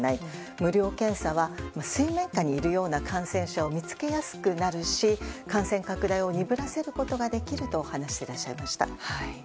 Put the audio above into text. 無料検査は水面下にいるような感染者を見つけやすくなるし感染拡大を鈍らせることができると話していらっしゃいました。